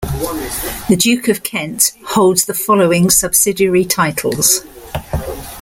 The Duke of Kent holds the following subsidiary titles.